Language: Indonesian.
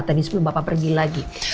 tadi sebelum bapak pergi lagi